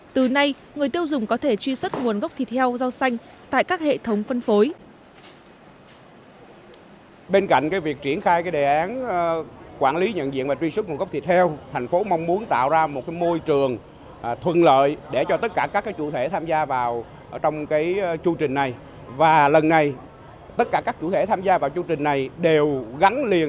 từ nay người tiêu dùng có thể truy xuất nguồn gốc thịt heo rau xanh tại các hệ thống phân phối